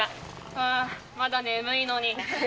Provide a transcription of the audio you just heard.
ああ、まだ眠いのに。